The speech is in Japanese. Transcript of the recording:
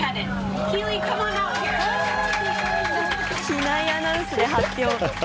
機内アナウンスで発表。